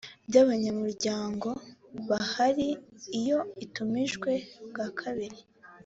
by abanyamuryango bahari iyo itumijwe bwa kabiri